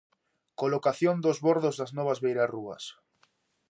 Colocación dos bordos das novas beirarrúas.